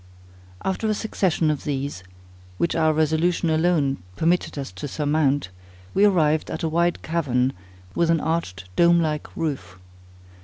After a succession of these, which our resolution alone permitted us to surmount, we arrived at a wide cavern with an arched dome like roof.